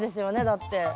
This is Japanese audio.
だって。